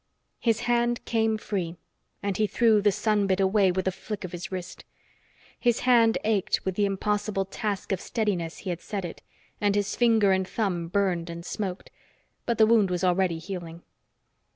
His hand came free and he threw the sun bit away with a flick of his wrist. His hand ached with the impossible task of steadiness he had set it, and his finger and thumb burned and smoked. But the wound was already healing.